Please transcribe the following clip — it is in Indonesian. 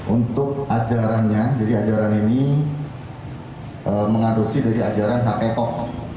untuk ajarannya jadi ajaran ini mengadopsi dari ajaran h e k o k